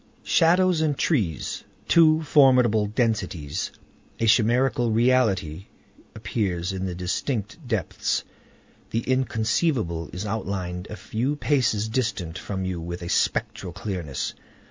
Shadows and trees—two formidable densities. A chimerical reality appears in the indistinct depths. The inconceivable is outlined a few paces distant from you with a spectral clearness.